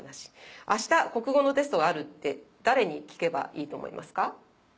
あした国語のテストがあるって誰に聞けばいいと思いますか？